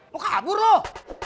mau kabur loh